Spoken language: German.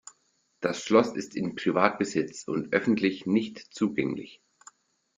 Das Schloss ist in Privatbesitz und öffentlich nicht zugänglich.